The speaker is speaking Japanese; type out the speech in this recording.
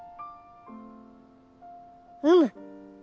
うむ。